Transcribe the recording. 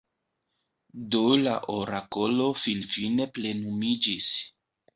Do la orakolo finfine plenumiĝis.